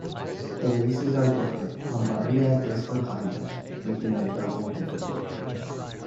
The races are different - Lombardia is for climbers - making the double difficult.